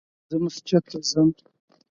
زه مسجد ته ځم